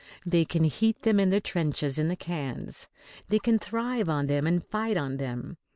They can heat them in the trenches in the cans; they can thrive on them and fight on them.